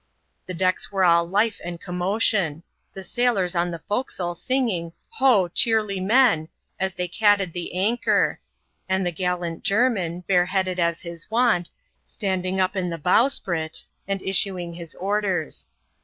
The d^cks were all life and commotion ; the sailors on the forecastle siliging, " Ho, cheerly men !" as they catted the anchor ; and the gallant Jermin, bareheaded as his wont, standing up on the bowsprit, and issuing his orders.